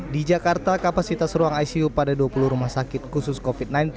di jakarta kapasitas ruang icu pada dua puluh rumah sakit khusus covid sembilan belas